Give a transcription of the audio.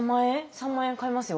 ３万円買いますよ。